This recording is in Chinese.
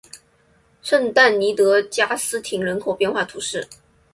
圣但尼德加斯廷人口变化图示